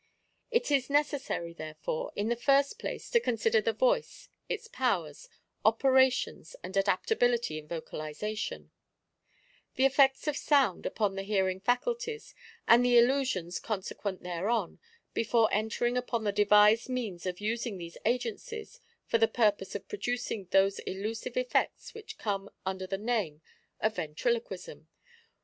It is neces sary, therefore, in the first place to consider the voice, its powers, operations and adaptability in vocalization ; the effects of sound upon the hearing faculties, and the illusions consequent thereon, before entering upon the devised means of using these agencies for the purpose of producing those illusive effects wnich come under the name of Yentriloquism.